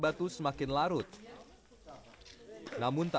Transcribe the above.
pertama suara dari biasusu